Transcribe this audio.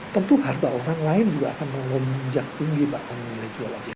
tentu harga orang lain juga akan melonjak tinggi bahkan nilai jualannya